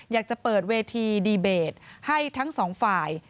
อยากจะเปิดเวทีดีเบตให้ทั้งสองฝ่าย